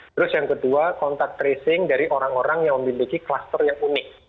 terus yang kedua kontak tracing dari orang orang yang memiliki kluster yang unik